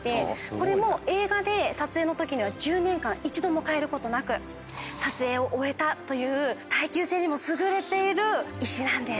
これも映画で撮影のときには１０年間一度も変えることなく撮影を終えたという耐久性にも優れている石なんです。